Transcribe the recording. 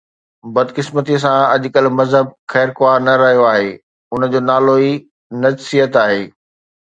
بدقسمتيءَ سان اڄ ڪلهه مذهب خيرخواهه نه رهيو آهي، ان جو نالو ئي نجسيت آهي.